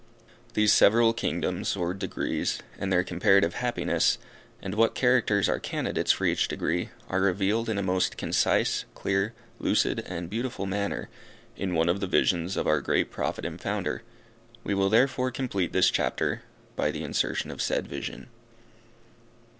These several kingdoms or degrees, and their comparative happiness, and what characters are candidates for each degree, are revealed in a most concise, clear, lucid and beautiful manner, in one of the visions of our great Prophet and founder. We will therefore complete this chapter by the insertion of said "VISION.